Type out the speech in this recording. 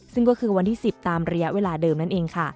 ซึ่งก็คือวันที่๑๐ตามระยะเวลาเดิมนั่นเองค่ะ